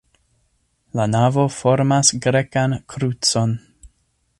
La navo formas grekan krucon.